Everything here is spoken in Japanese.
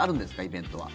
イベントは。